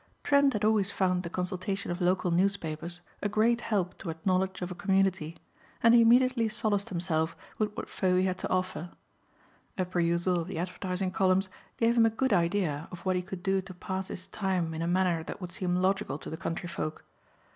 Trent had always found the consultation of local newspapers a great help toward knowledge of a community and he immediately solaced himself with what Fowey had to offer. A perusal of the advertising columns gave him a good idea of what he could do to pass his time in a manner that would seem logical to the countryfolk.